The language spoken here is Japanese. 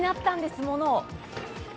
物を！